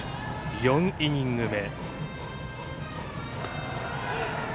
４イニング目。